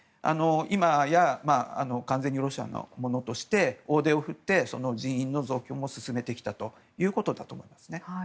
今や、完全にロシアのものとして大手を振って人員の増強も進めてきたということだと思います。